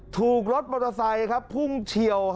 ถูกรถมอเตอร์ไซพุ่งเฉียว